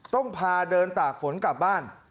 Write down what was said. พาเดินตากฝนกลับบ้าน